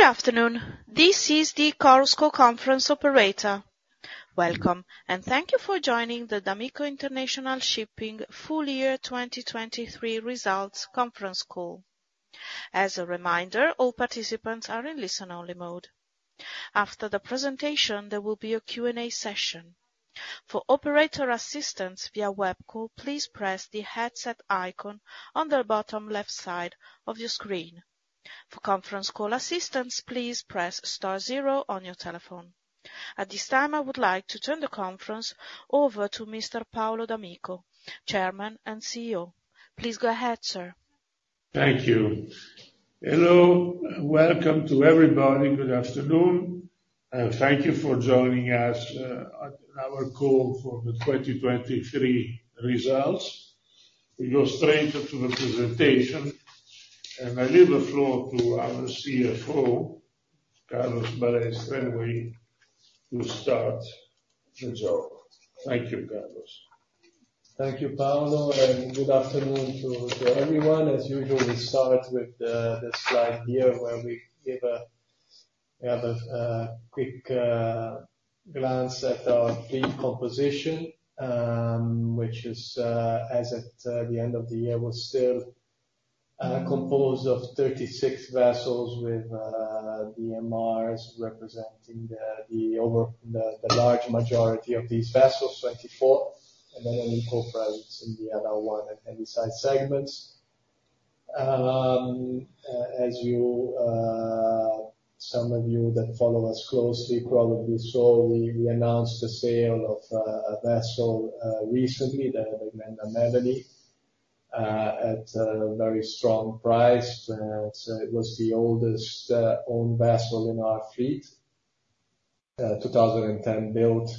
Good afternoon. This is the Chorus Call conference operator. Welcome, and thank you for joining the d'Amico International Shipping Full Year 2023 Results Conference Call. As a reminder, all participants are in listen-only mode. After the presentation, there will be a Q&A session. For operator assistance via web call, please press the headset icon on the bottom left side of your screen. For conference call assistance, please press star zero on your telephone. At this time, I would like to turn the conference over to Mr. Paolo d'Amico, Chairman and CEO. Please go ahead, sir. Thank you. Hello, welcome to everybody. Good afternoon, and thank you for joining us on our call for the 2023 results. We go straight into the presentation, and I leave the floor to our CFO, Carlos Balestra di Mottola, to start the job. Thank you, Carlos. Thank you, Paolo, and good afternoon to everyone. As usual, we start with the slide here, where we give a quick glance at our fleet composition, which, as at the end of the year, was still composed of 36 vessels, with the MRs representing the large majority of these vessels, 24, and then a little presence in the other ones, the Handysize segments. As some of you that follow us closely probably saw, we announced the sale of a vessel recently, the Glenda Melanie, at a very strong price. It was the oldest owned vessel in our fleet, 2010 built,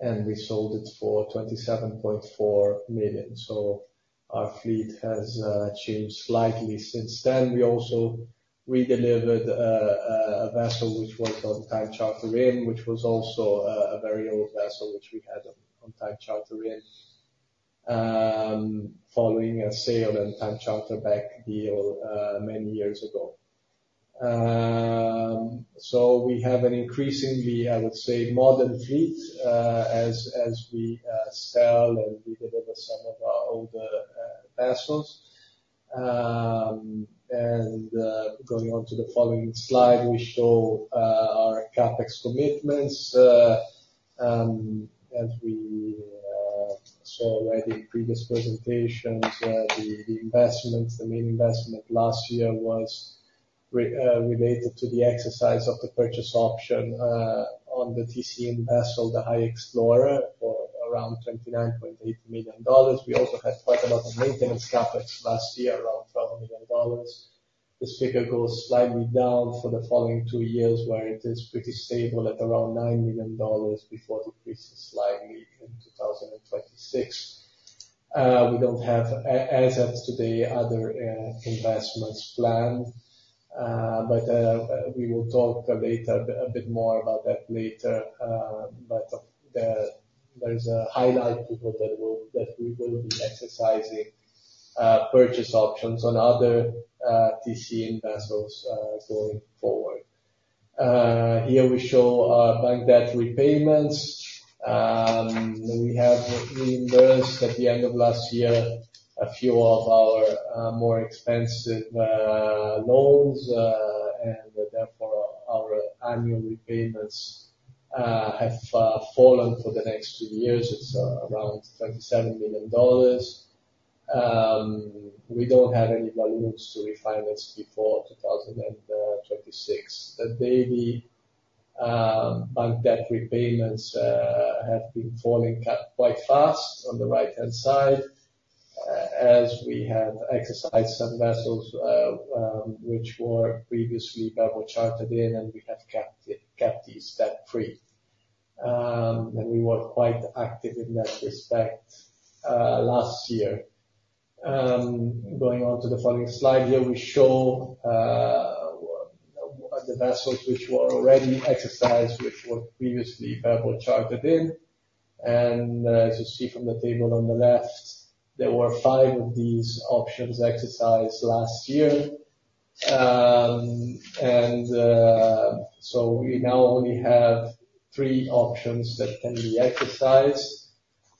and we sold it for $27.4 million. So our fleet has changed slightly since then. We also redelivered a vessel which worked on time charter in, which was also a very old vessel, which we had on time charter in, following a sale and time charter back deal, many years ago. So we have an increasingly, I would say, modern fleet, as we sell and redeliver some of our older vessels. And going on to the following slide, we show our CapEx commitments. As we saw already in previous presentations, the investments, the main investment last year was related to the exercise of the purchase option on the TC vessel, the High Explorer, for around $29.8 million. We also had quite a lot of maintenance CapEx last year, around $12 million. This figure goes slightly down for the following two years, where it is pretty stable at around $9 million, before decreasing slightly in 2026. We don't have, as of today, other investments planned, but we will talk later, a bit more about that later. But there is a highlight that we will be exercising purchase options on other TC vessels going forward. Here we show our bank debt repayments. We have reimbursed at the end of last year a few of our more expensive loans, and therefore, our annual repayments have fallen for the next few years. It's around $27 million. We don't have any balloons to refinance before 2026. The daily bank debt repayments have been falling quite fast on the right-hand side, as we have exercised some vessels, which were previously bareboat chartered in, and we have kept these debt-free. We were quite active in that respect last year. Going on to the following slide, here we show the vessels which were already exercised, which were previously bareboat chartered in. As you see from the table on the left, there were five of these options exercised last year. So we now only have three options that can be exercised.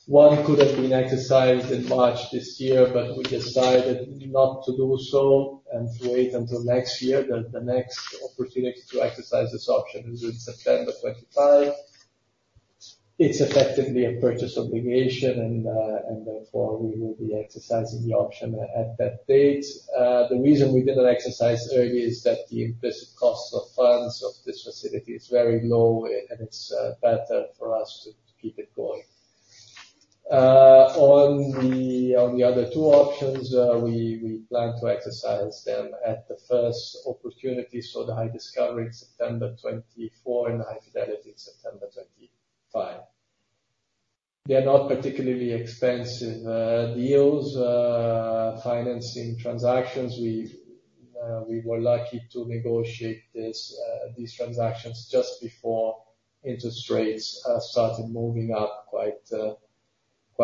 One could have been exercised in March this year, but we decided not to do so and to wait until next year. The next opportunity to exercise this option is in September 2025. It's effectively a purchase obligation, and, and therefore, we will be exercising the option at that date. The reason we didn't exercise early is that the implicit cost of funds of this facility is very low, and it's better for us to keep it going. On the other two options, we plan to exercise them at the first opportunity. So the High Discovery, September 2024, and High Fidelity, September 2025. They're not particularly expensive deals, financing transactions. We were lucky to negotiate these transactions just before interest rates started moving up quite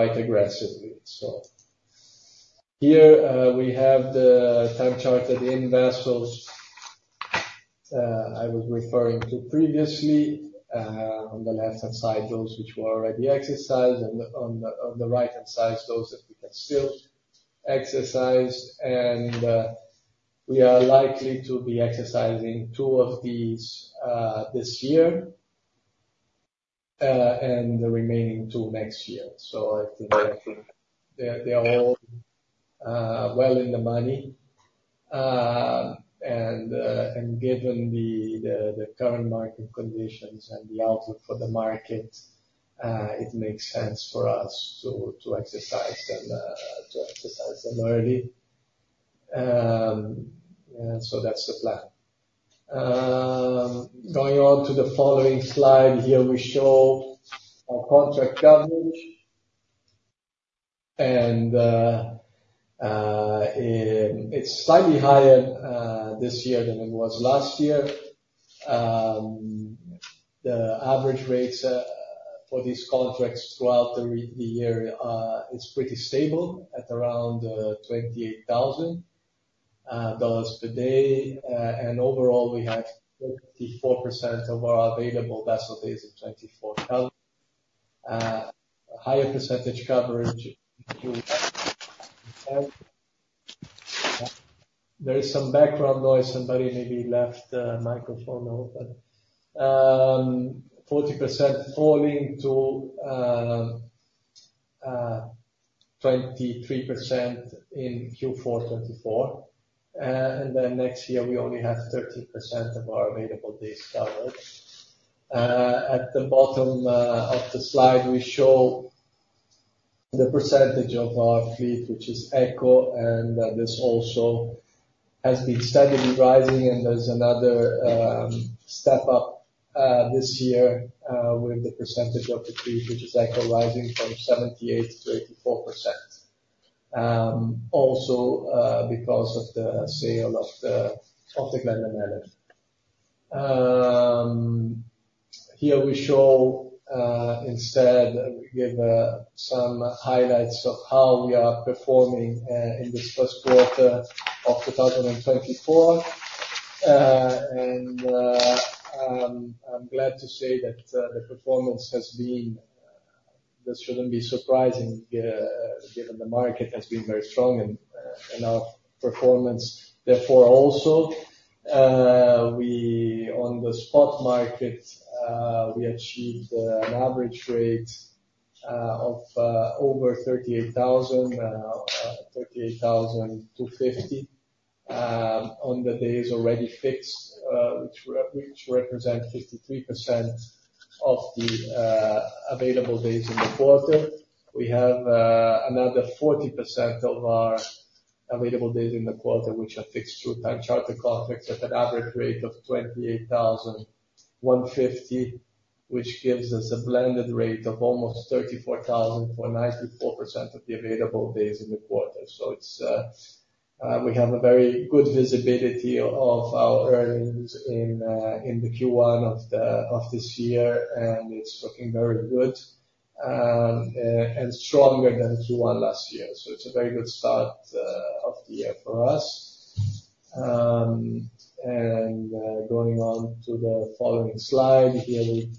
aggressively, so-...Here, we have the time charter in vessels I was referring to previously. On the left-hand side, those which were already exercised, and on the right-hand side, those that we can still exercise. We are likely to be exercising two of these this year and the remaining two next year. So I think they are all well in the money. And given the current market conditions and the outlook for the market, it makes sense for us to exercise them early. So that's the plan. Going on to the following slide, here we show our contract coverage, and it's slightly higher this year than it was last year. The average rates for these contracts throughout the year, it's pretty stable at around $28,000 per day. And overall, we have 34% of our available vessel days in 2024. A higher percentage coverage. There is some background noise. Somebody maybe left a microphone open. 40% falling to 23% in Q4 2024. And then next year, we only have 13% of our available days covered. At the bottom of the slide, we show the percentage of our fleet, which is Eco, and this also has been steadily rising, and there's another step up this year with the percentage of the fleet, which is Eco rising from 78%-84%. Also, because of the sale of the Glenda Melanie. Here we show, instead, we give some highlights of how we are performing in this first quarter of 2024. And I'm glad to say that the performance has been... This shouldn't be surprising, given the market has been very strong and our performance therefore also. On the spot market, we achieved an average rate of over $38,000, $38,250 on the days already fixed, which represent 53% of the available days in the quarter. We have another 40% of our available days in the quarter, which are fixed through time charter contracts at an average rate of $28,150, which gives us a blended rate of almost $34,000 for 94% of the available days in the quarter. So we have a very good visibility of our earnings in the Q1 of this year, and it's looking very good and stronger than Q1 last year. So it's a very good start of the year for us. Going on to the following slide, here we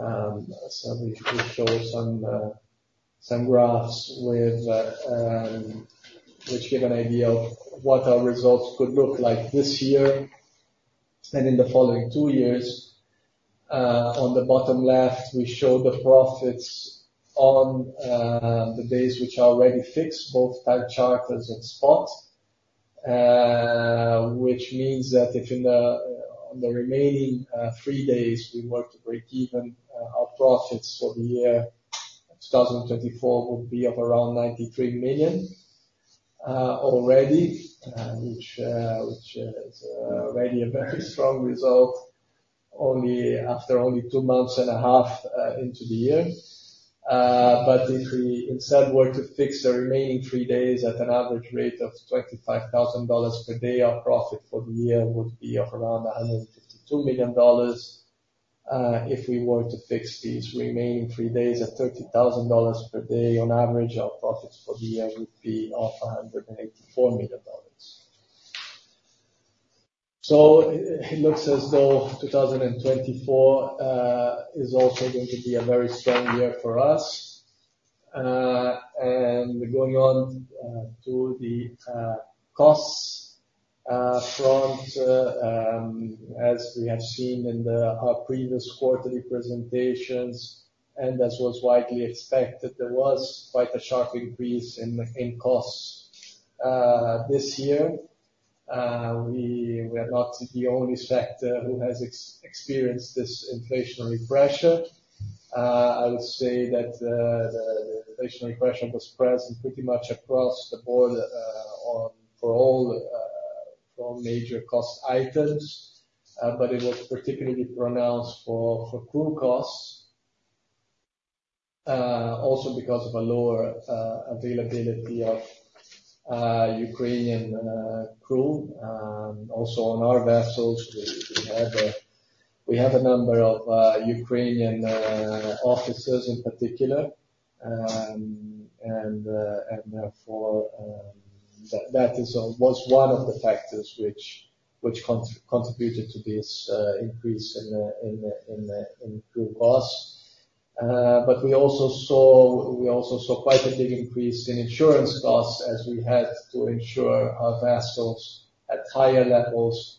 have, so we show some graphs with which give an idea of what our results could look like this year and in the following two years. On the bottom left, we show the profits on the days which are already fixed, both time charters and spot, which means that if on the remaining three days, we were to break even, our profits for the year 2024 would be of around $93 million already, which is already a very strong result, after only two months and a half into the year. But if we instead were to fix the remaining three days at an average rate of $25,000 per day, our profit for the year would be of around $152 million. If we were to fix these remaining three days at $30,000 per day on average, our profits for the year would be of $184 million. So it looks as though 2024 is also going to be a very strong year for us. And going on to the costs front, as we have seen in our previous quarterly presentations, and as was widely expected, there was quite a sharp increase in costs this year. We were not the only sector who has experienced this inflationary pressure. I would say that the inflationary pressure was present pretty much across the board, on for all for major cost items, but it was particularly pronounced for crew costs, also because of a lower availability of Ukrainian crew. Also on our vessels, we have a number of Ukrainian officers in particular, and therefore, that was one of the factors which contributed to this increase in the crew costs. But we also saw quite a big increase in insurance costs, as we had to insure our vessels at higher levels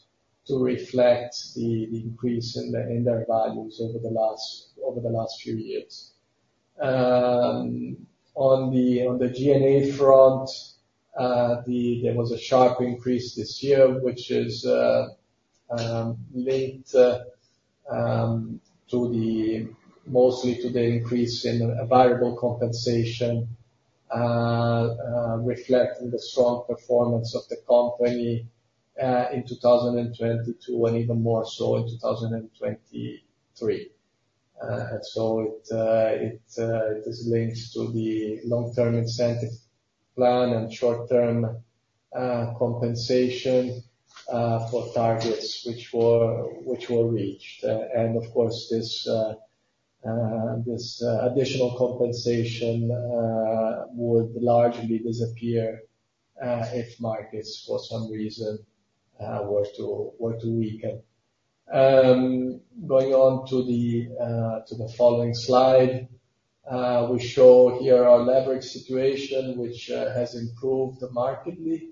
to reflect the increase in their values over the last few years. On the G&A front, there was a sharp increase this year, which is linked mostly to the increase in variable compensation, reflecting the strong performance of the company in 2022, and even more so in 2023. So it is linked to the long-term incentive plan and short-term compensation for targets which were reached. And of course, this additional compensation would largely disappear if markets, for some reason, were to weaken. Going on to the following slide, we show here our leverage situation, which has improved markedly.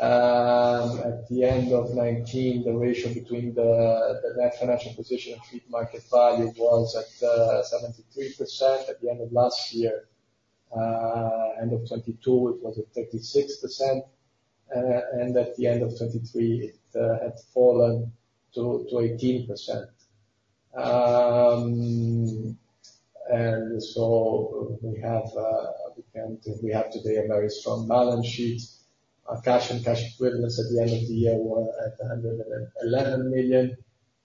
At the end of 2019, the ratio between the net financial position and fleet market value was at 73%. At the end of last year, end of 2022, it was at 36%, and at the end of 2023, it had fallen to 18%. And so we have today a very strong balance sheet. Our cash and cash equivalents at the end of the year were at $111 million,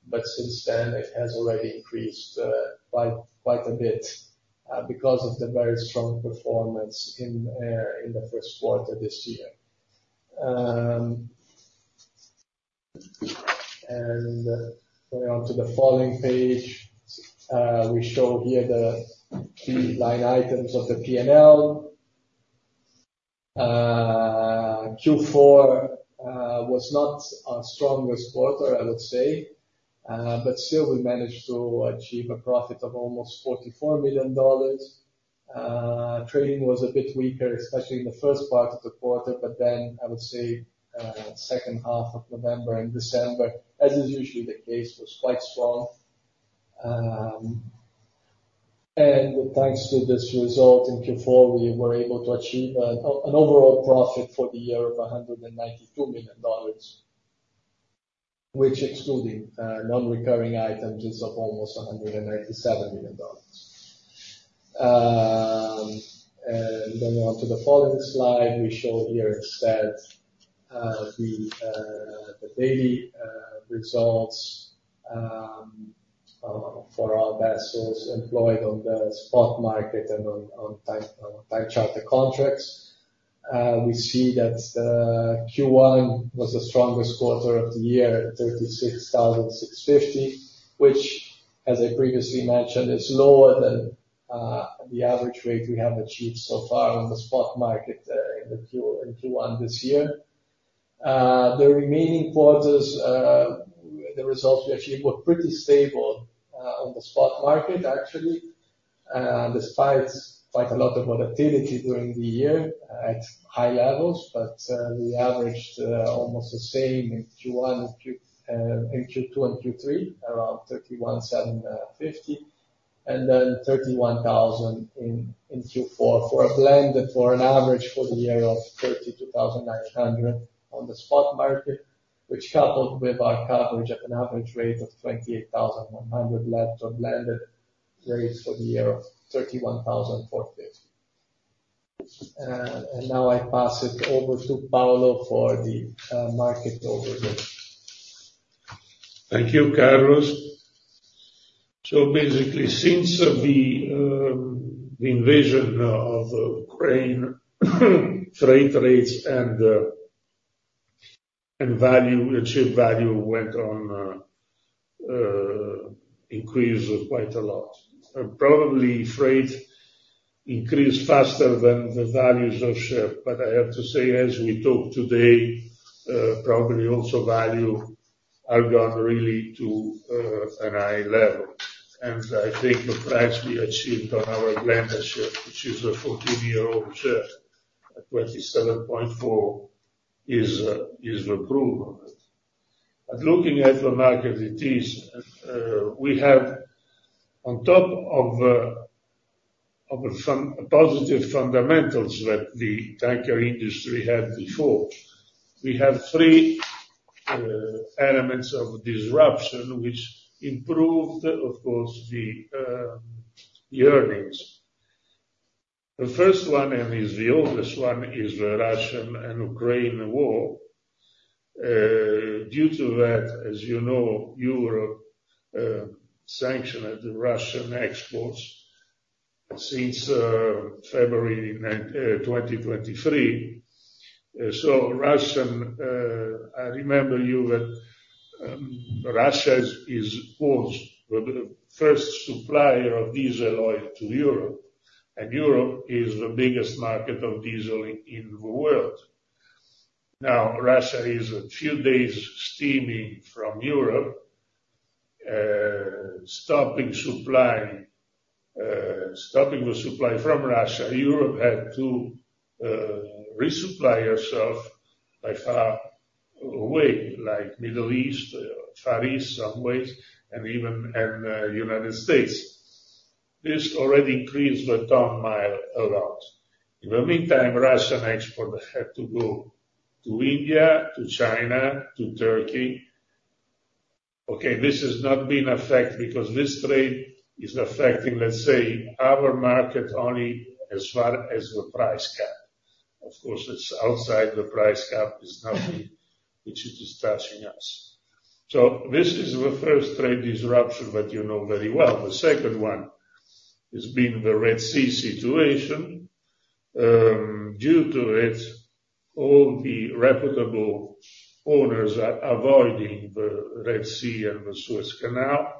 but since then, it has already increased by quite a bit because of the very strong performance in the first quarter this year. Going on to the following page, we show here the key line items of the P&L. Q4 was not our strongest quarter, I would say, but still we managed to achieve a profit of almost $44 million. Trading was a bit weaker, especially in the first part of the quarter, but then, I would say, second half of November and December, as is usually the case, was quite strong. And thanks to this result, in Q4, we were able to achieve an overall profit for the year of $192 million, which, excluding non-recurring items, is of almost $197 million. And going on to the following slide, we show here that the daily results for our vessels employed on the spot market and on time charter contracts. We see that Q1 was the strongest quarter of the year, at $36,650, which, as I previously mentioned, is lower than the average rate we have achieved so far on the spot market in Q1 this year. The remaining quarters, the results we achieved were pretty stable on the spot market, actually, despite quite a lot of volatility during the year at high levels. But we averaged almost the same in Q1 and Q2 and Q3, around $31,750, and then $31,000 in Q4, for a blended or an average for the year of $32,900 on the spot market. Which, coupled with our coverage at an average rate of $28,100, led to a blended rate for the year of $31,450. And now I pass it over to Paolo for the market overview. Thank you, Carlos. So basically, since the invasion of Ukraine, freight rates and value, the ship value, went on increase quite a lot. And probably freight increased faster than the values of ship. But I have to say, as we talk today, probably also value have gone really to a high level. And I think the price we achieved on our Glenda Melanie, which is a 14-year-old ship, at $27.4 million, is a proof of it. But looking at the market, it is we have on top of some positive fundamentals that the tanker industry had before, we have three elements of disruption, which improved, of course, the earnings. The first one, and is the oldest one, is the Russian and Ukraine war. Due to that, as you know, Europe sanctioned the Russian exports since February 9, 2023. So Russian, I remind you that, Russia was the first supplier of diesel oil to Europe, and Europe is the biggest market of diesel in the world. Now, Russia is a few days steaming from Europe, stopping the supply from Russia. Europe had to resupply herself by far away, like Middle East, Far East some ways, and even United States. This already increased the ton-mile a lot. In the meantime, Russian export had to go to India, to China, to Turkey. Okay, this has not been affected because this trade is affecting, let's say, our market only as far as the price cap. Of course, it's outside the price cap is nothing which is touching us. So this is the first trade disruption that you know very well. The second one has been the Red Sea situation. Due to it, all the reputable owners are avoiding the Red Sea and the Suez Canal.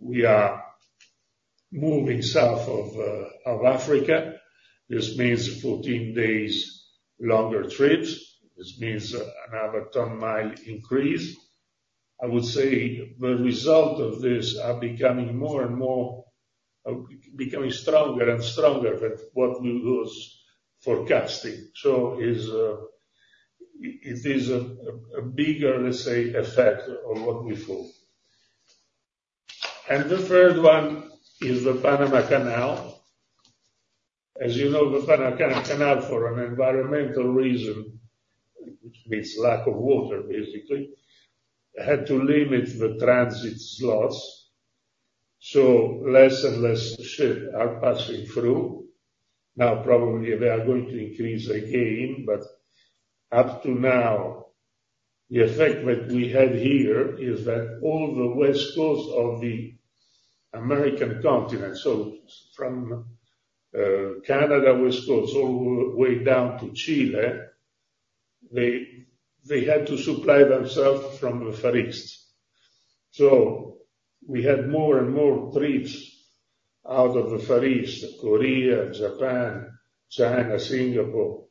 We are moving south of Africa. This means 14 days longer trips. This means another ton-mile increase. I would say the result of this are becoming more and more becoming stronger and stronger than what we was forecasting. So it is a bigger, let's say, effect on what we thought. And the third one is the Panama Canal. As you know, the Panama Canal, for an environmental reason, which means lack of water, basically, had to limit the transit slots, so less and less ship are passing through. Now, probably they are going to increase again, but up to now, the effect that we have here is that all the west coast of the American continent, so from Canada west coast all the way down to Chile, they, they had to supply themselves from the Far East. So we had more and more trips out of the Far East, Korea, Japan, China, Singapore,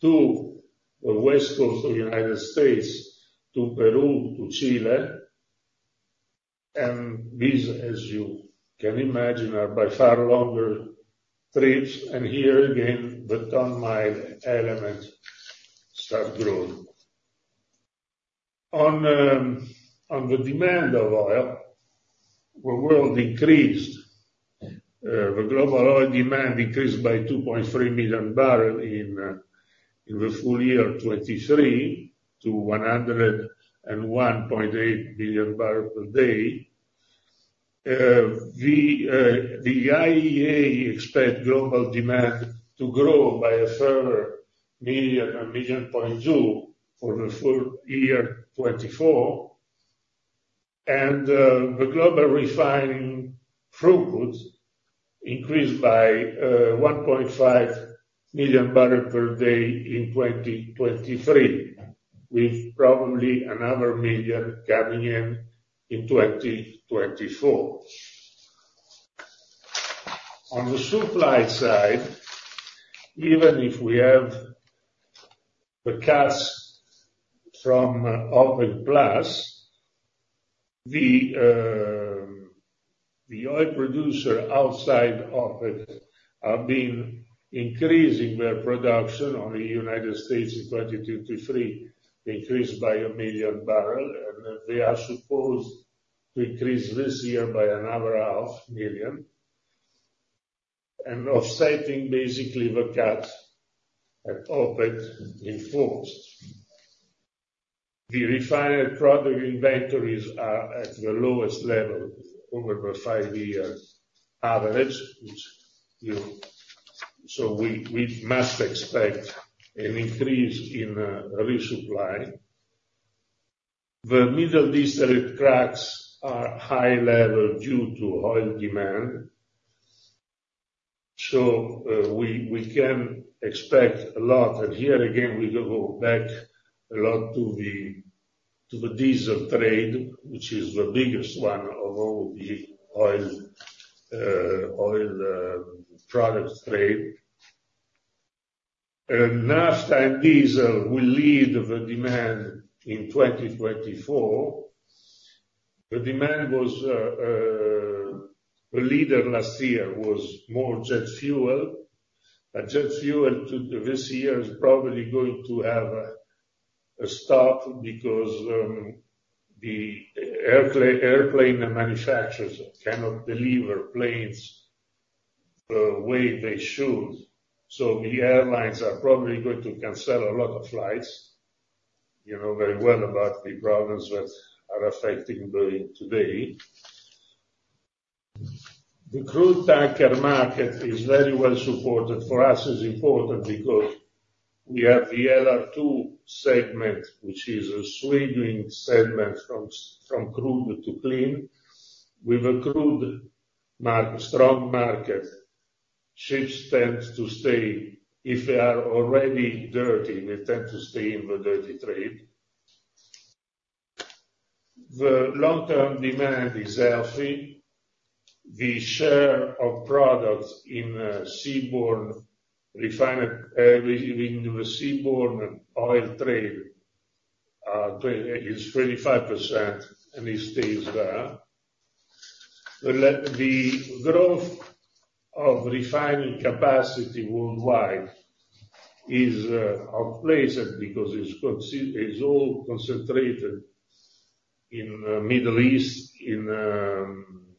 to the west coast of United States, to Peru, to Chile. And these, as you can imagine, are by far longer trips. And here again, the ton-mile elements start growing. On the demand of oil, the world increased the global oil demand increased by 2.3 million barrels in the full year 2023, to 101.8 million barrels per day. The IEA expects global demand to grow by a further 1 million and 1.2 million for the full year 2024. The global refining throughput increased by 1.5 million barrels per day in 2023, with probably another 1 million coming in 2024. On the supply side, even if we have the cuts from OPEC+, the oil producers outside OPEC are increasing their production. Only United States in 2023 increased by 1 million barrels, and they are supposed to increase this year by another 500,000. Offsetting, basically, the cuts that OPEC enforced. The refined product inventories are at the lowest level over the 5-year average, which you... So we must expect an increase in resupply. The Middle East cracks are high level due to oil demand, so we can expect a lot. Here again, we go back a lot to the diesel trade, which is the biggest one of all the oil products trade. Last time, diesel will lead the demand in 2024. The demand was the leader last year was more jet fuel. And jet fuel this year is probably going to have a stop because the airplane manufacturers cannot deliver planes the way they should. So the airlines are probably going to cancel a lot of flights. You know very well about the problems that are affecting Boeing today. The crude tanker market is very well supported. For us, it's important because-... We have the LR2 segment, which is a swinging segment from from crude to clean. With a crude strong market, ships tend to stay. If they are already dirty, they tend to stay in the dirty trade. The long-term demand is healthy. The share of products in seaborne refined in in the seaborne oil trade is 25%, and it stays there. The the growth of refining capacity worldwide is outplaced, because it's concentrated in Middle East, in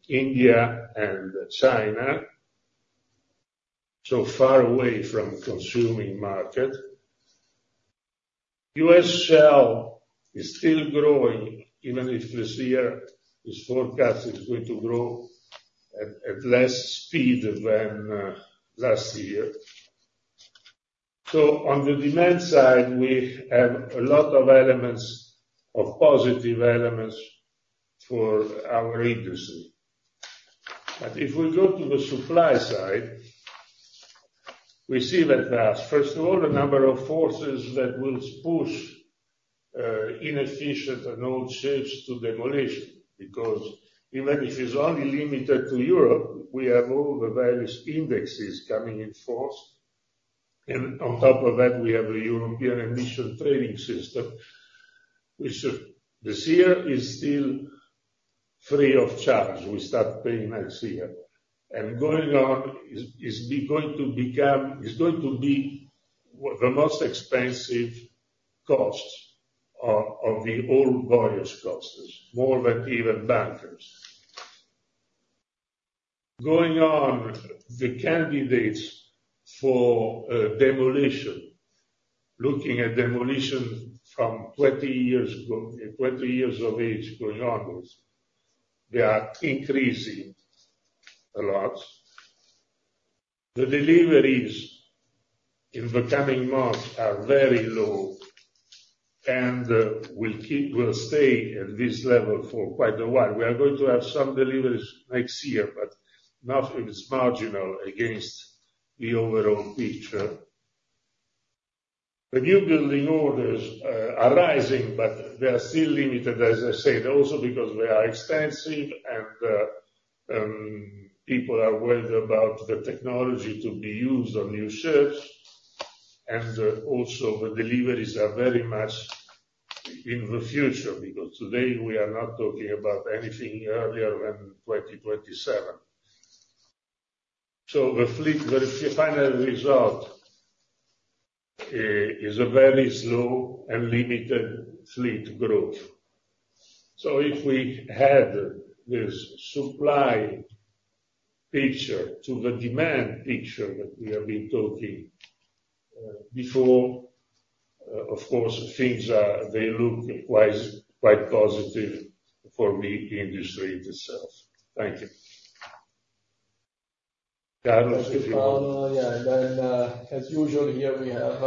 India and China, so far away from consuming market. U.S. shale is still growing, even if this year it's forecast is going to grow at less speed than last year. So on the demand side, we have a lot of elements of positive elements for our industry. But if we go to the supply side, we see that there are, first of all, a number of forces that will push inefficient and old ships to demolition. Because even if it's only limited to Europe, we have all the various indices coming into force, and on top of that, we have a European Union Emissions Trading System. This year is still free of charge. We start paying next year. And going on, it is going to become the most expensive of all the various costs, more than even bunkers. Going on, the candidates for demolition, looking at demolition from 20 years ago, 20 years of age going onwards, they are increasing a lot. The deliveries in the coming months are very low and will stay at this level for quite a while. We are going to have some deliveries next year, but nothing is marginal against the overall picture. The new building orders are rising, but they are still limited, as I said, also because they are expensive and people are worried about the technology to be used on new ships. And also the deliveries are very much in the future, because today we are not talking about anything earlier than 2027. So the fleet, the final result, is a very slow and limited fleet growth. So if we add this supply picture to the demand picture that we have been talking before, of course, things are... they look quite, quite positive for the industry itself. Thank you. Carlos, if you- Thank you, Paolo. Yeah, and then, as usual, here we have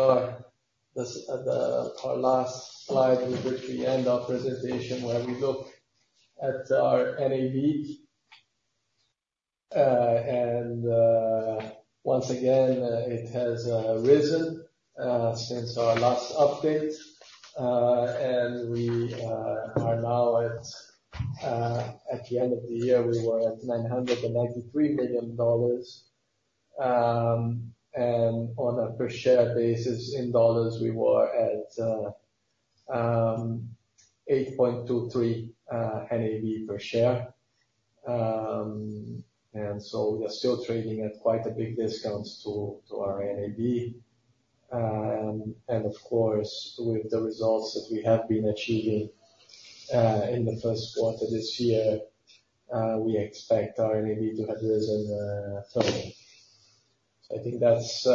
this, the our last slide, which the end of presentation, where we look at our NAV. And, once again, it has risen since our last update, and we are now at, at the end of the year, we were at $993 million. And on a per share basis, in dollars, we were at 8.23 NAV per share. And so we are still trading at quite a big discount to our NAV. And of course, with the results that we have been achieving, in the first quarter this year, we expect our NAV to have risen further. I think that's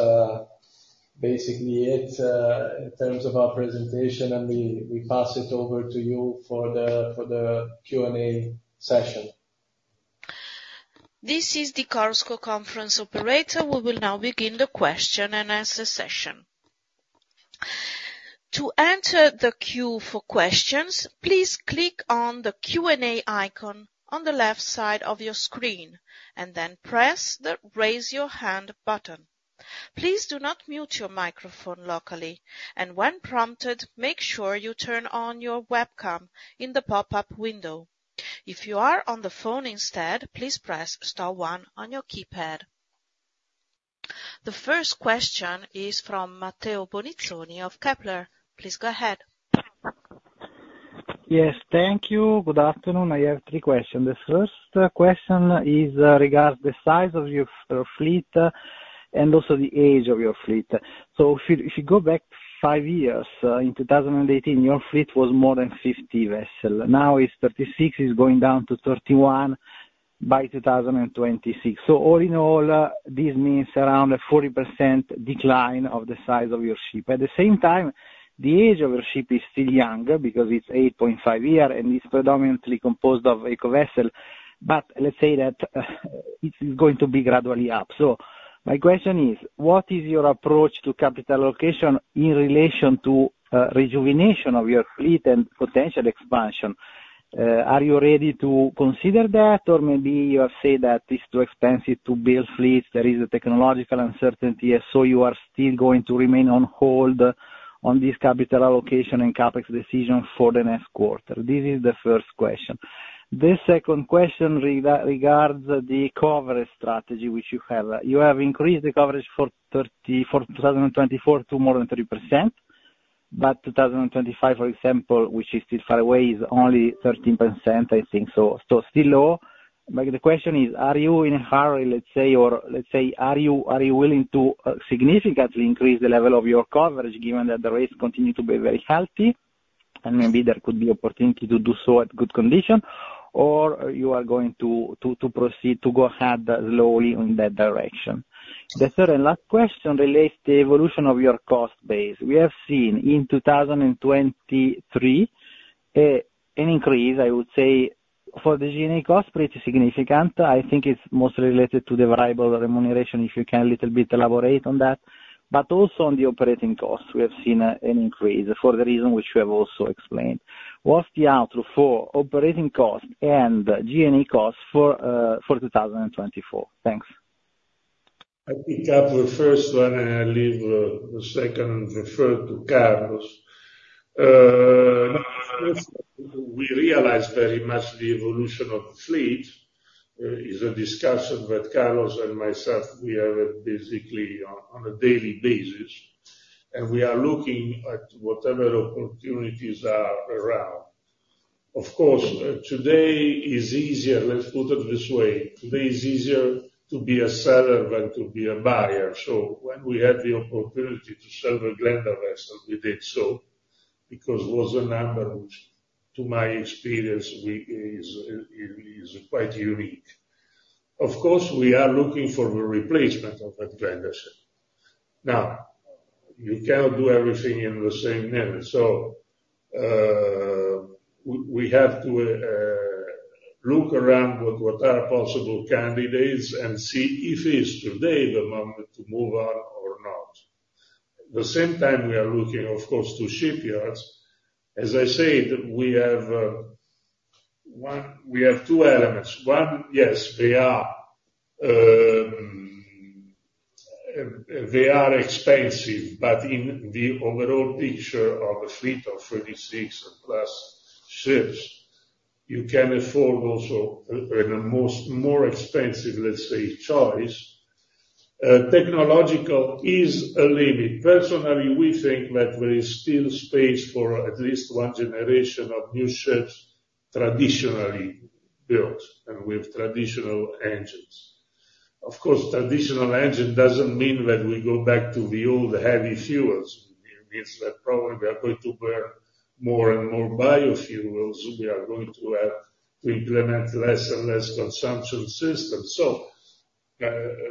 basically it in terms of our presentation, and we pass it over to you for the Q&A session. This is the Chorus Call conference operator. We will now begin the question and answer session. To enter the queue for questions, please click on the Q&A icon on the left side of your screen, and then press the Raise Your Hand button. Please do not mute your microphone locally, and when prompted, make sure you turn on your webcam in the pop-up window. If you are on the phone instead, please press star one on your keypad. The first question is from Matteo Bonizzoni of Kepler Cheuvreux. Please go ahead. Yes, thank you. Good afternoon. I have three questions. The first question is regards the size of your fleet and also the age of your fleet. So if you go back 5 years in 2018, your fleet was more than 50 vessels. Now it's 36, it's going down to 31 by 2026. So all in all, this means around a 40% decline of the size of your ships. At the same time, the age of your ships is still young, because it's 8.5 years, and it's predominantly composed of Eco vessels... But let's say that it is going to be gradually up. So my question is, what is your approach to capital allocation in relation to rejuvenation of your fleet and potential expansion? Are you ready to consider that, or maybe you have said that it's too expensive to build fleets, there is a technological uncertainty, so you are still going to remain on hold on this capital allocation and CapEx decision for the next quarter? This is the first question. The second question regards the coverage strategy which you have. You have increased the coverage for 30, for 2024 to more than 30%, but 2025, for example, which is still far away, is only 13%, I think, so, so still low. But the question is, are you in a hurry, let's say, or let's say, are you, are you willing to significantly increase the level of your coverage, given that the rates continue to be very healthy, and maybe there could be opportunity to do so at good condition? Or you are going to proceed to go ahead slowly in that direction? The third and last question relates to the evolution of your cost base. We have seen in 2023 an increase, I would say, for the G&A cost, pretty significant. I think it's mostly related to the variable remuneration, if you can a little bit elaborate on that, but also on the operating costs, we have seen an increase for the reason which you have also explained. What's the outlook for operating costs and G&A costs for 2024? Thanks. I pick up the first one, and I leave the second and the third to Carlos. We realize very much the evolution of fleet is a discussion that Carlos and myself we have it basically on a daily basis, and we are looking at whatever opportunities are around. Of course, today is easier, let's put it this way, today is easier to be a seller than to be a buyer. So when we had the opportunity to sell the Glenda vessel, we did so, because it was a number which, to my experience, is quite unique. Of course, we are looking for a replacement of that Glenda ship. Now, you cannot do everything in the same manner, so we have to look around with what are possible candidates and see if it is today the moment to move on or not. At the same time, we are looking, of course, to shipyards. As I said, we have one. We have two elements. One, yes, they are, they are expensive, but in the overall picture of a fleet of 36+ ships, you can afford also in a more expensive, let's say, choice. Technological is a limit. Personally, we think that there is still space for at least one generation of new ships, traditionally built and with traditional engines. Of course, traditional engine doesn't mean that we go back to the old heavy fuels. It means that probably we are going to burn more and more biofuels. We are going to have to implement less and less consumption systems. So,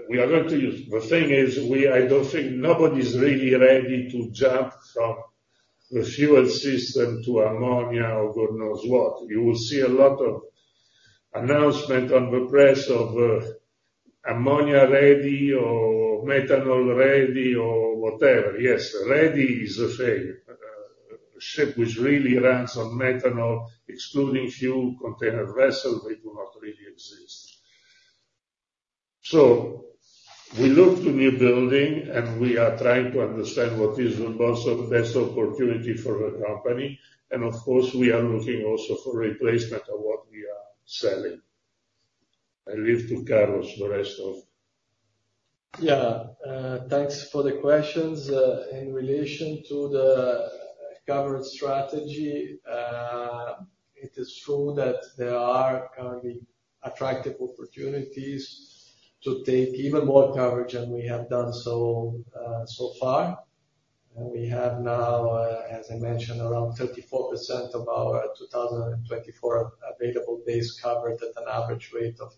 we are going to use-- The thing is, we, I don't think nobody's really ready to jump from the fuel system to ammonia or God knows what. You will see a lot of announcement on the press of, ammonia-ready or methanol-ready or whatever. Yes, ready is a thing. A ship which really runs on methanol, excluding few container vessels, they do not really exist. So we look to new building, and we are trying to understand what is the most, best opportunity for the company, and of course, we are looking also for replacement of what we are selling. I leave to Carlos, the rest of... Yeah, thanks for the questions. In relation to the coverage strategy, it is true that there are currently attractive opportunities to take even more coverage than we have done so, so far. We have now, as I mentioned, around 34% of our 2024 available days covered at an average rate of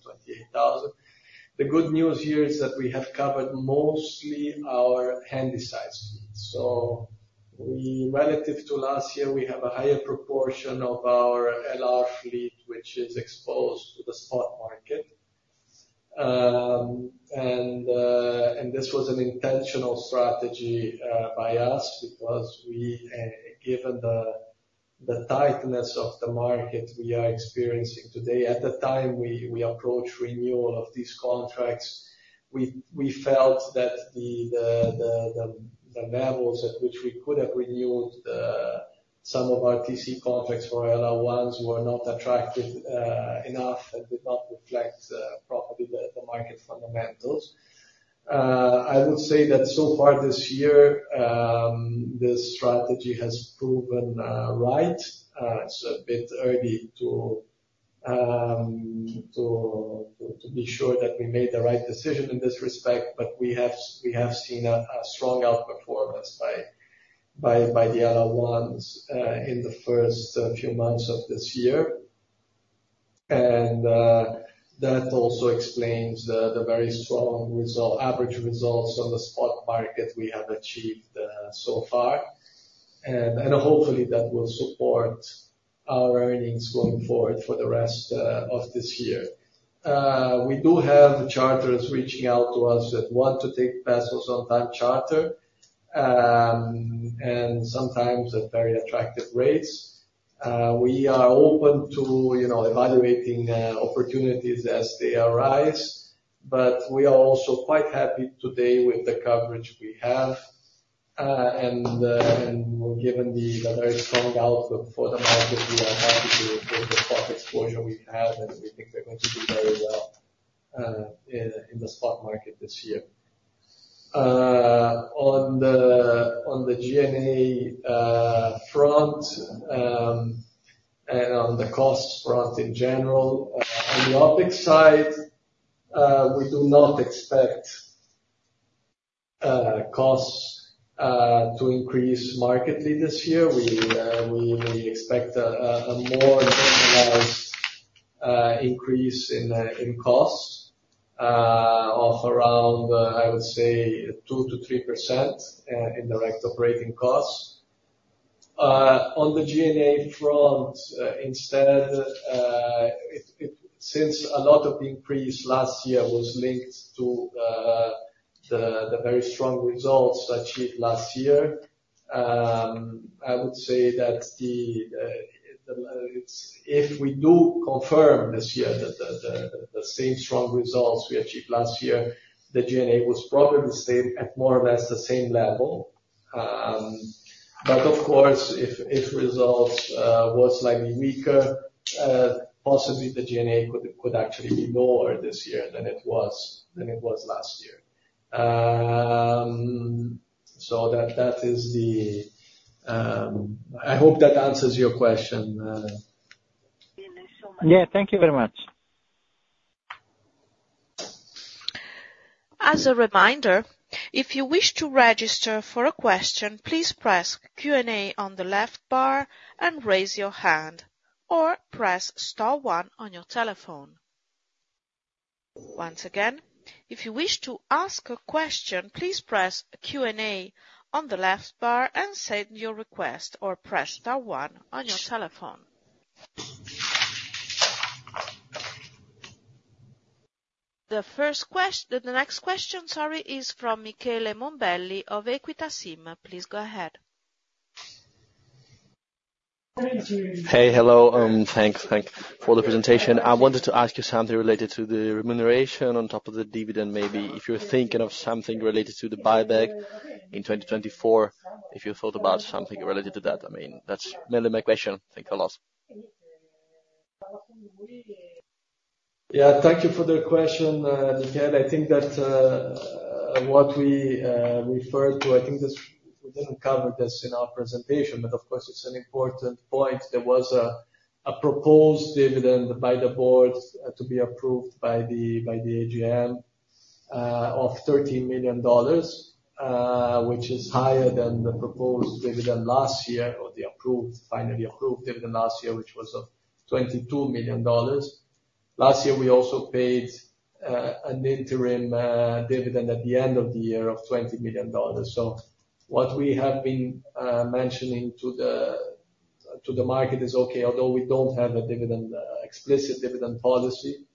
$28,000. The good news here is that we have covered mostly our Handysize fleet. We, relative to last year, have a higher proportion of our LR fleet, which is exposed to the spot market. And this was an intentional strategy by us, because we, given the tightness of the market we are experiencing today, at the time we approached renewal of these contracts, we felt that the levels at which we could have renewed some of our TC contracts for LR1s were not attractive enough and did not reflect properly the market fundamentals. I would say that so far this year, this strategy has proven right. It's a bit early to be sure that we made the right decision in this respect, but we have seen a strong outperformance by the LR1s in the first few months of this year. And, that also explains the very strong result, average results on the spot market we have achieved, so far. And, hopefully that will support our earnings going forward for the rest, of this year. We do have the charters reaching out to us that want to take vessels on time charter, and sometimes at very attractive rates. We are open to, you know, evaluating, opportunities as they arise, but we are also quite happy today with the coverage we have. And, given the very strong output for the market, we are happy to report the spot exposure we have, and we think we're going to do very well, in the spot market this year. On the G&A front, and on the cost front in general, on the OPEX side, we do not expect costs to increase markedly this year. We expect a more generalized increase in costs of around, I would say 2%-3%, in direct operating costs. On the G&A front, instead, it—since a lot of increase last year was linked to the very strong results achieved last year, I would say that the—if we do confirm this year that the same strong results we achieved last year, the G&A was probably the same, at more or less the same level. But of course, if results were slightly weaker, possibly the G&A could actually be lower this year than it was last year. So that is the... I hope that answers your question. Yeah, thank you very much. As a reminder, if you wish to register for a question, please press Q&A on the left bar and raise your hand or press star one on your telephone. Once again, if you wish to ask a question, please press Q&A on the left bar and send your request or press star one on your telephone. The next question, sorry, is from Michele Mombelli of Equita SIM. Please go ahead. Hey, hello. Thanks, thank for the presentation. I wanted to ask you something related to the remuneration on top of the dividend. Maybe if you're thinking of something related to the buyback in 2024, if you thought about something related to that. I mean, that's mainly my question. Thanks a lot. Yeah, thank you for the question, Michele. I think that what we referred to, I think we didn't cover this in our presentation, but of course, it's an important point. There was a proposed dividend by the board to be approved by the AGM of $13 million, which is higher than the proposed dividend last year, or the approved, finally approved dividend last year, which was of $22 million. Last year, we also paid an interim dividend at the end of the year of $20 million. So what we have been mentioning to the market is, okay, although we don't have a dividend explicit dividend policy,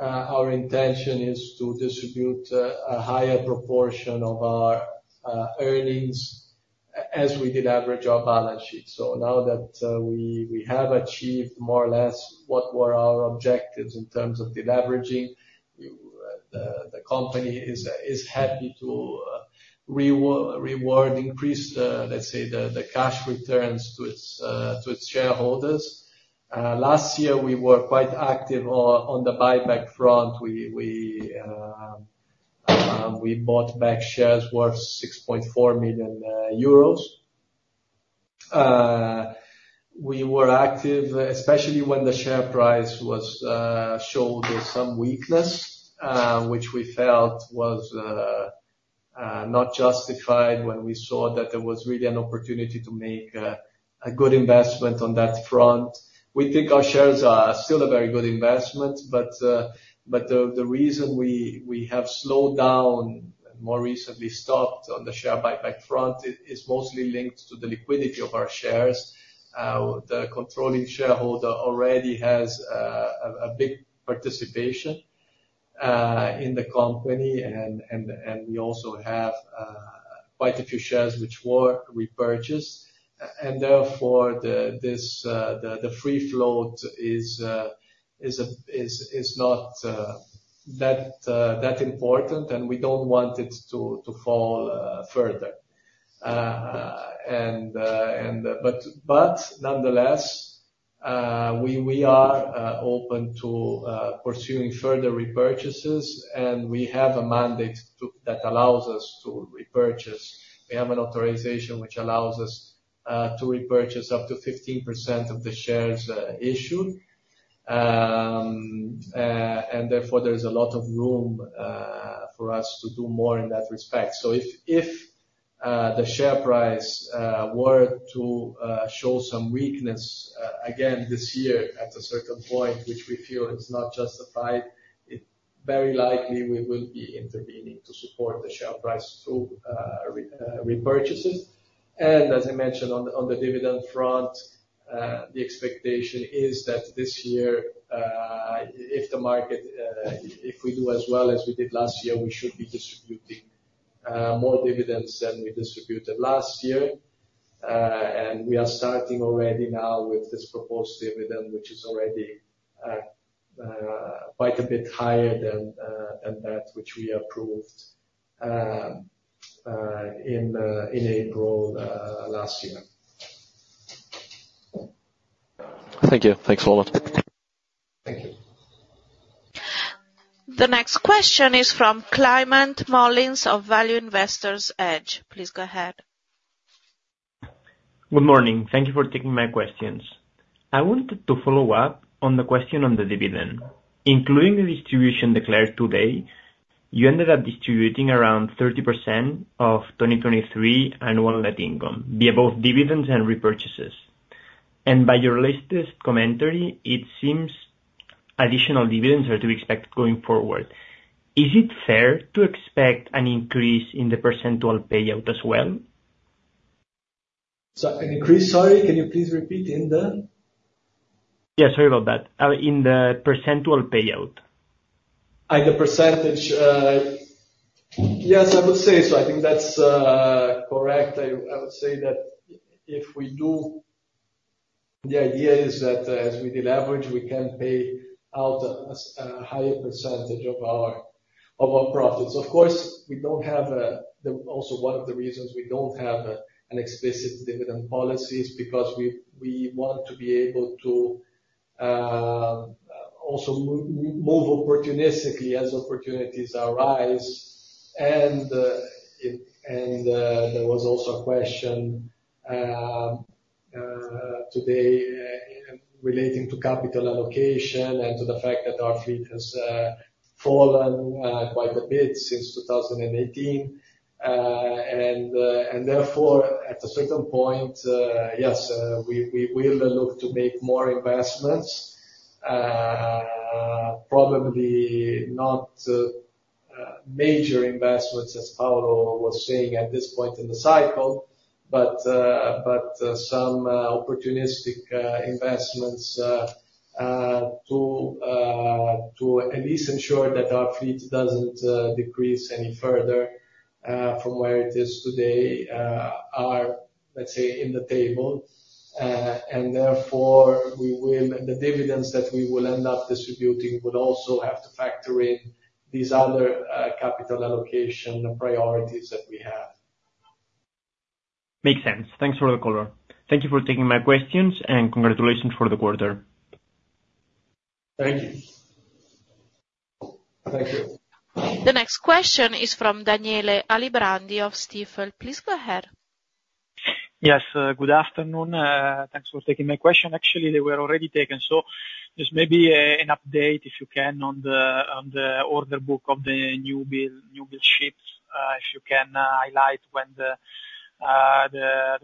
our intention is to distribute a higher proportion of our earnings as we deleverage our balance sheet. So now that we have achieved more or less what were our objectives in terms of deleveraging, the company is happy to reward increase, let's say, the cash returns to its shareholders. Last year, we were quite active on the buyback front. We bought back shares worth 6.4 million euros. We were active, especially when the share price showed some weakness, which we felt was not justified when we saw that there was really an opportunity to make a good investment on that front. We think our shares are still a very good investment, but the reason we have slowed down, more recently stopped on the share buyback front, it is mostly linked to the liquidity of our shares. The controlling shareholder already has a big participation in the company, and we also have quite a few shares which were repurchased, and therefore the free float is not that important, and we don't want it to fall further. But nonetheless, we are open to pursuing further repurchases, and we have a mandate that allows us to repurchase. We have an authorization which allows us to repurchase up to 15% of the shares issued. And therefore, there is a lot of room for us to do more in that respect. So if the share price were to show some weakness again this year, at a certain point, which we feel is not justified, very likely we will be intervening to support the share price through repurchases. And as I mentioned on the dividend front, the expectation is that this year, if the market, if we do as well as we did last year, we should be distributing more dividends than we distributed last year. And we are starting already now with this proposed dividend, which is already quite a bit higher than that which we approved in April last year. Thank you. Thanks a lot. Thank you. The next question is from Climent Molins of Value Investor's Edge. Please go ahead. Good morning. Thank you for taking my questions. I wanted to follow up on the question on the dividend. Including the distribution declared today, you ended up distributing around 30% of 2023 annual net income, via both dividends and repurchases. By your latest commentary, it seems additional dividends are to be expected going forward. Is it fair to expect an increase in the percentile payout as well? So an increase? Sorry, can you please repeat in the? Yeah, sorry about that. In the percentile payout. The percentage, yes, I would say so. I think that's correct. I would say that if we do, the idea is that as we deleverage, we can pay out a higher percentage of our profits. Of course, we don't have the... Also one of the reasons we don't have an explicit dividend policy is because we want to be able to also move opportunistically as opportunities arise. And there was also a question today relating to capital allocation and to the fact that our fleet has fallen quite a bit since 2018. And therefore, at a certain point, yes, we will look to make more investments. Probably not major investments, as Paolo was saying, at this point in the cycle, but some opportunistic investments to at least ensure that our fleet doesn't decrease any further from where it is today are, let's say, in the table. Therefore, the dividends that we will end up distributing will also have to factor in these other capital allocation priorities that we have. Makes sense. Thanks for the call. Thank you for taking my questions, and congratulations for the quarter. Thank you. Thank you. The next question is from Daniele Alibrandi of Stifel. Please go ahead. Yes, good afternoon. Thanks for taking my question. Actually, they were already taken, so just maybe an update, if you can, on the order book of the new build, new build ships. If you can, highlight when the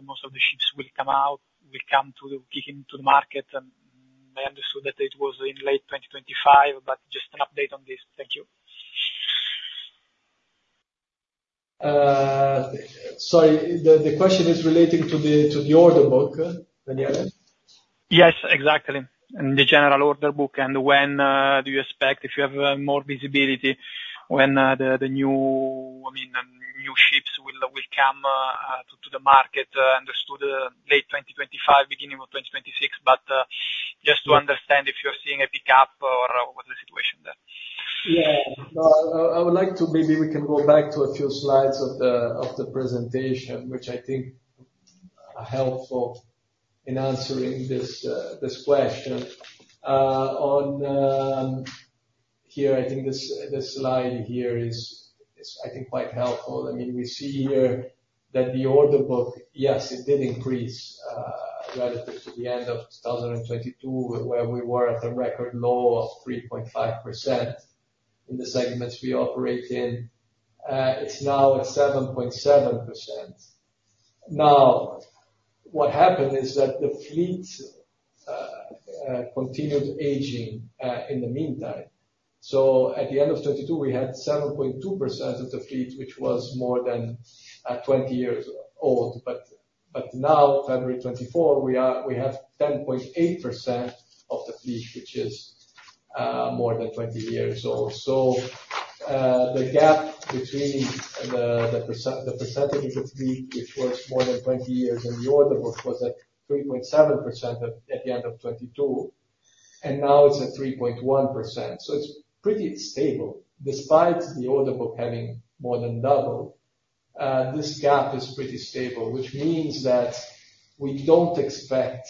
most of the ships will come out, will come to the... kick into the market. And I understood that it was in late 2025, but just an update on this. Thank you. Sorry, the question is relating to the order book, Daniele? Yes, exactly. In the general order book, and when do you expect, if you have more visibility, when the new, I mean, new ships will come to the market? Understood late 2025, beginning of 2026, but just to understand if you're seeing a pickup or what's the situation there. Yeah. I would like to maybe we can go back to a few slides of the presentation, which I think are helpful in answering this question. Here, I think this slide here is, I think, quite helpful. I mean, we see here that the order book, yes, it did increase relative to the end of 2022, where we were at a record low of 3.5 in the segments we operate in. It's now at 7.7%. Now, what happened is that the fleet continued aging in the meantime. So at the end of 2022, we had 7.2% of the fleet, which was more than 20 years old. But now, February 2024, we have 10.8% of the fleet, which is more than 20 years old. So, the gap between the percentage of the fleet, which was more than 20 years, and the order book was at 3.7% at the end of 2022, and now it's at 3.1%. So it's pretty stable. Despite the order book having more than doubled, this gap is pretty stable, which means that we don't expect...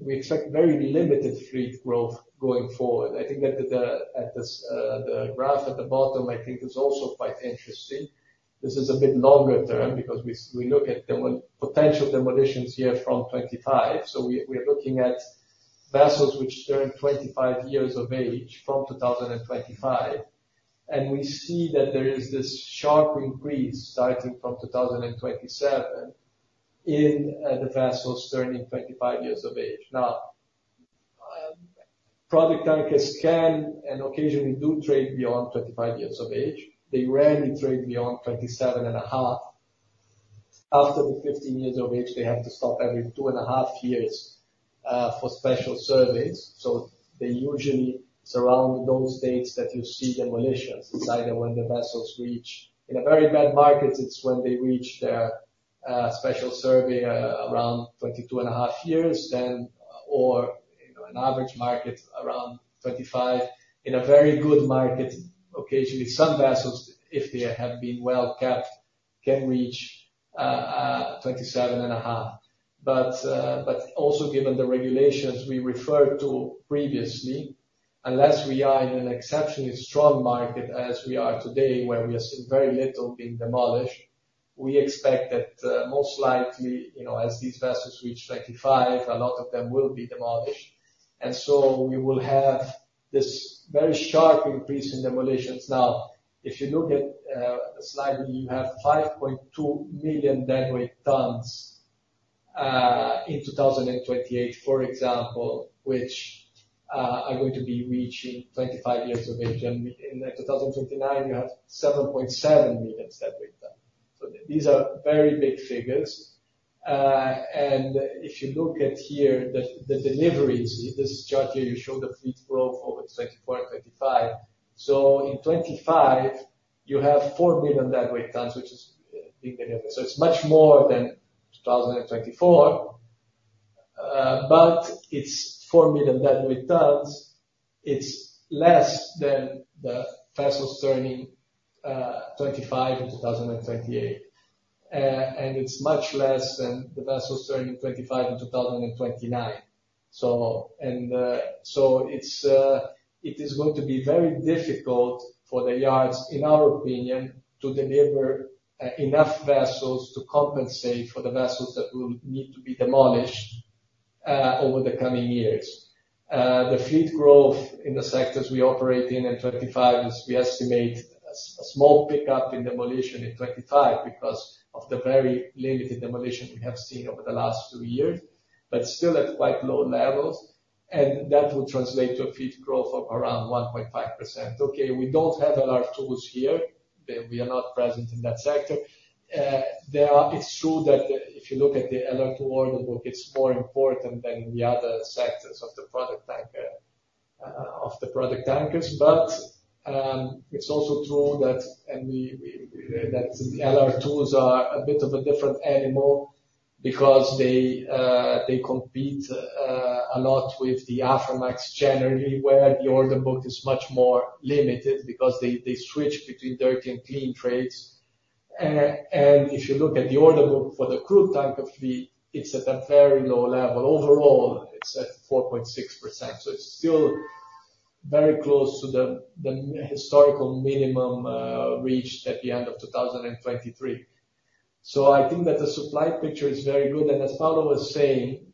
We expect very limited fleet growth going forward. I think that the graph at the bottom, I think is also quite interesting. This is a bit longer term, because we look at potential demolitions here from 2025. So we're looking at vessels which turn 25 years of age from 2025. And we see that there is this sharp increase starting from 2027 in the vessels turning 25 years of age. Now, product tankers can, and occasionally do, trade beyond 25 years of age. They rarely trade beyond 27.5. After the 15 years of age, they have to stop every 2.5 years for special surveys. So they usually surround those dates that you see demolitions. It's either when the vessels reach. In a very bad market, it's when they reach their special survey around 22.5 years, then, or, you know, an average market around 25. In a very good market, occasionally some vessels, if they have been well-kept, can reach 27.5. But also given the regulations we referred to previously, unless we are in an exceptionally strong market as we are today, where we are seeing very little being demolished, we expect that, most likely, you know, as these vessels reach 25, a lot of them will be demolished. And so we will have this very sharp increase in demolitions. Now, if you look at the slide, where you have 5.2 million deadweight tons in 2028, for example, which are going to be reaching 25 years of age. And in 2029, you have 7.7 million deadweight ton. So these are very big figures. And if you look at here, the, the deliveries, this chart here, you show the fleet growth over 2024 and 2025. So in 2025, you have 4 million deadweight tons, which is a big delivery. So it's much more than 2024, but it's 4 million deadweight tons. It's less than the vessels turning 25 in 2028. And it's much less than the vessels turning 25 in 2029. So, it's going to be very difficult for the yards, in our opinion, to deliver enough vessels to compensate for the vessels that will need to be demolished over the coming years. The fleet growth in the sectors we operate in, in 2025 is, we estimate, a small pickup in demolition in 2025 because of the very limited demolition we have seen over the last two years, but still at quite low levels, and that will translate to a fleet growth of around 1.5%. Okay, we don't have LR2s here. We are not present in that sector. It's true that if you look at the LR2 order book, it's more important than the other sectors of the product tanker, of the product tankers. But, it's also true that, and we, that the LR2s are a bit of a different animal because they compete, a lot with the Aframax generally, where the order book is much more limited because they switch between dirty and clean trades. And if you look at the order book for the crude tanker fleet, it's at a very low level. Overall, it's at 4.6%, so it's still very close to the historical minimum reached at the end of 2023. So I think that the supply picture is very good, and as Paolo was saying,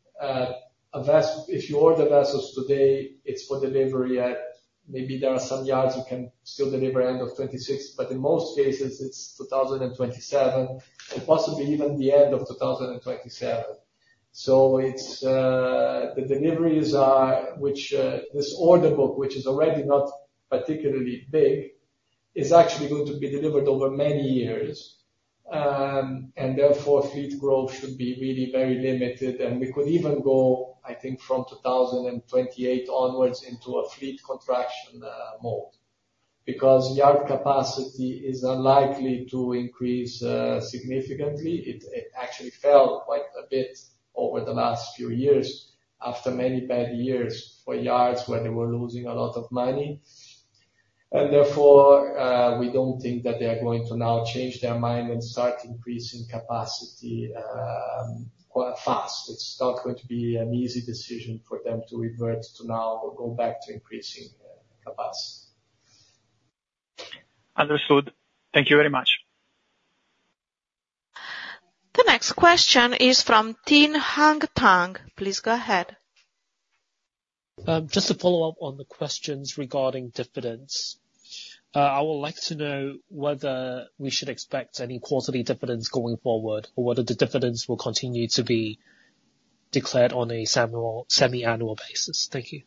if you order vessels today, it's for delivery at... maybe there are some yards who can still deliver end of 2026, but in most cases it's 2027, and possibly even the end of 2027. So it's the deliveries are, which this order book, which is already not particularly big, is actually going to be delivered over many years. And therefore, fleet growth should be really very limited. We could even go, I think, from 2028 onwards into a fleet contraction mode, because yard capacity is unlikely to increase significantly. It actually fell quite a bit over the last few years, after many bad years for yards where they were losing a lot of money. And therefore, we don't think that they are going to now change their mind and start increasing capacity quite fast. It's not going to be an easy decision for them to revert to now or go back to increasing capacity. Understood. Thank you very much. The next question is from Tin Hang Tang. Please go ahead. Just to follow up on the questions regarding dividends, I would like to know whether we should expect any quarterly dividends going forward, or whether the dividends will continue to be declared on a semiannual basis. Thank you.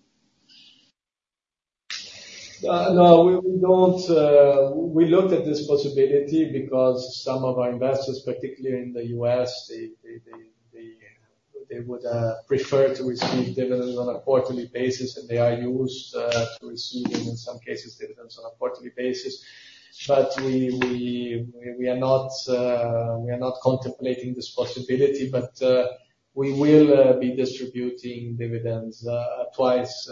No, we don't. We looked at this possibility because some of our investors, particularly in the U.S., they would prefer to receive dividends on a quarterly basis, and they are used to receiving, in some cases, dividends on a quarterly basis. But we are not contemplating this possibility, but we will be distributing dividends twice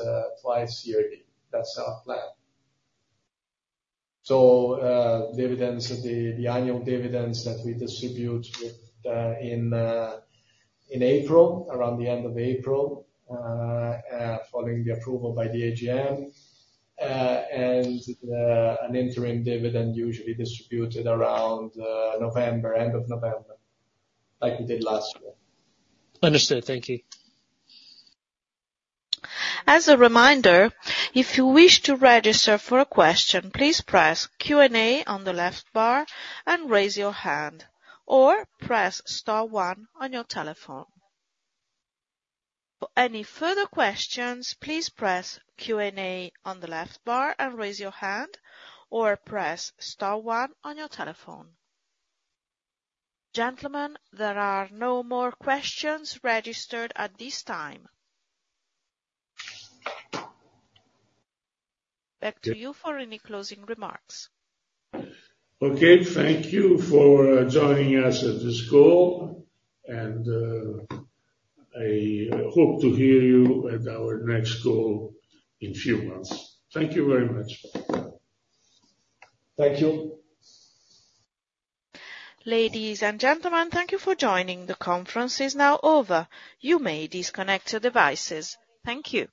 yearly. That's our plan. So, dividends, the annual dividends that we distribute within April, around the end of April, following the approval by the AGM, and an interim dividend usually distributed around November, end of November, like we did last year. Understood. Thank you. As a reminder, if you wish to register for a question, please press Q&A on the left bar and raise your hand, or press star one on your telephone. For any further questions, please press Q&A on the left bar and raise your hand, or press star one on your telephone. Gentlemen, there are no more questions registered at this time. Back to you for any closing remarks. Okay. Thank you for joining us at this call, and, I hope to hear you at our next call in few months. Thank you very much. Thank you. Ladies and gentlemen, thank you for joining. The conference is now over. You may disconnect your devices. Thank you.